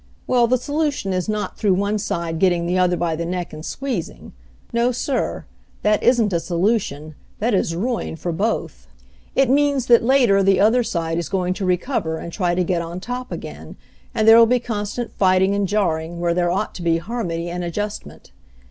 Well, the solution is not through one side getting the other by the neck and squeezing. No, sir; that isn't a solution; that is ruin for both. It means that later the other side is going to recover and try to get on top again, and there'll be con stant fighting and jarring where there ought to be harmony and adjustment.